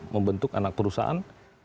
membentuk anak perusahaan